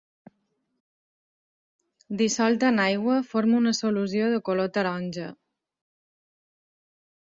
Dissolt en aigua forma una solució de color taronja.